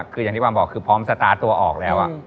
คืออย่างที่วางบอกคือพร้อมสตาร์ทตัวออกแล้ว